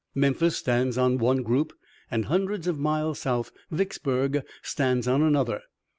Memphis stands on one group and hundreds of miles south Vicksburg stands on another.